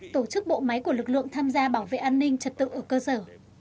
tổ chức bộ máy của lực lượng tham gia bảo vệ an ninh trật tự ở cơ sở